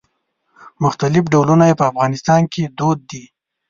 مختلف ډولونه یې په افغانستان کې دود دي.